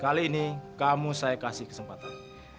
kali ini kamu saya kasih kesempatan